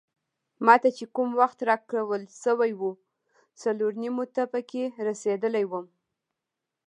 ما ته چې کوم وخت راکول شوی وو څلور نیمو ته پکې رسیدلی وم.